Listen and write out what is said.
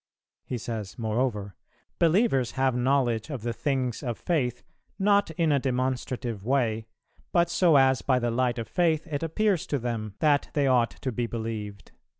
He says moreover, 'Believers have knowledge of the things of Faith, not in a demonstrative way, but so as by the light of Faith it appears to them that they ought to be believed.'"